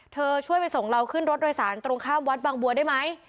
ช่วยไปส่งเราขึ้นรถโดยสารตรงข้ามวัดบางบัวได้ไหม